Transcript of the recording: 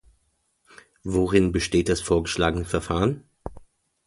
Worin besteht das vorgeschlagene Verfahren?